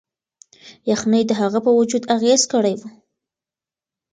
یخنۍ د هغه په وجود اغیز کړی و.